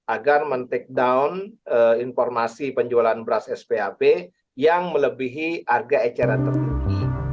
agar men take down informasi penjualan beras sphp yang melebihi harga eceran tertinggi